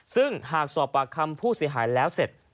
ซึ่งหากสอบปากคำผู้เสียหายแล้วเสร็จ